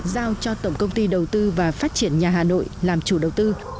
giao cho tổng công ty đầu tư và phát triển nhà hà nội làm chủ đầu tư